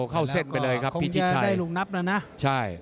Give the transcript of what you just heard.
เข้าเส้นไปเลยครับพีชิชัย